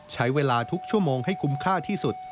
ใช้เวลาทุกชั่วโมงให้คุ้มค่าที่สุด